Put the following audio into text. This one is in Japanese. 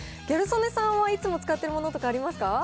ギャル曽根さんはいつも使ってるものとかありますか？